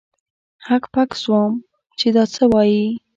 هک پک سوم چې دا څه وايي.